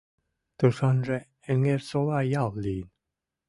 Тушанже Эҥерсола ял лийын.